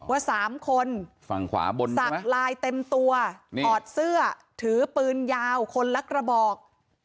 ว่า๓คนฝั่งขวาบนสักลายเต็มตัวถอดเสื้อถือปืนยาวคนละกระบอก